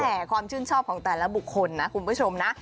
แต่ความชื่นชอบของแต่ละบุคคลนะคุณผู้ชมนะ